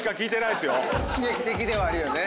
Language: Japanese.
刺激的ではあるよね。